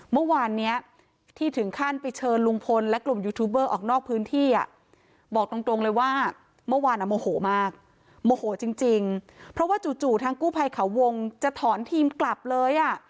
เมื่อวานเนี้ยที่ถึงขั้นไปเชิญลุงพลและกลุ่มยูทูบเบอร์ออกนอกพื้นที่อ่ะบอกตรงเลยว่าเมื่อวานอ่ะโมโหมากโมโหจริงเพราะว่าจู่ทางกู้ภัยเขาวงจะถอนทีมกลับเลยอ่ะ